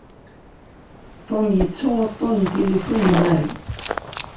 Tom yettu uṭṭun n tilifun n Mary.